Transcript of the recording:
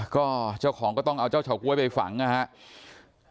ก็เจ้าของก็ต้องเอาเจ้าเฉาก๊วยไปฝังนะครับ